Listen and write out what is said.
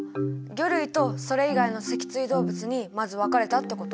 魚類とそれ以外の脊椎動物にまず分かれたってこと？